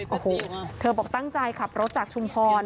โอ้โหเธอบอกตั้งใจขับรถจากชุมพร